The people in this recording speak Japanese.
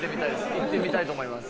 行ってみたいと思います。